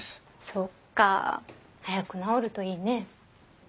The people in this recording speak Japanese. そっか早く治るといいね。